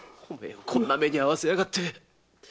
おめえをこんな目に遭わせやがって。